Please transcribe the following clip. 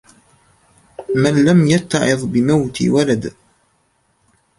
مَنْ لَمْ يَتَّعِظْ بِمَوْتِ وَلَدٍ